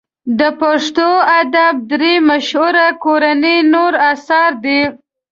د پښتو ادب درې مشهوري کورنۍ یې نور اثار دي.